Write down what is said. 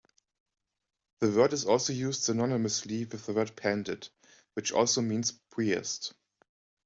The word is also used synonymously with the word "pandit", which also means "priest".